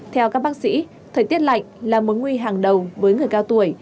theo các bác sĩ thời tiết lạnh là mối nguy hàng đầu với người cao tuổi